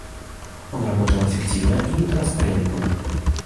Он работал эффективно и транспарентно.